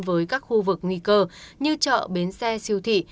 với các khu vực nguy cơ như chợ bến xe siêu thị